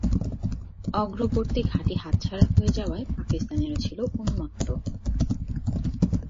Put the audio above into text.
অগ্রবর্তী ঘাঁটি হাতছাড়া হয়ে যাওয়ায় পাকিস্তানিরা ছিল উন্মত্ত।